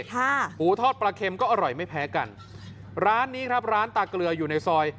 หมูทอดปลาเค็มก็อร่อยไม่แพ้กันร้านนี้ครับร้านตาเกลืออยู่ในซอย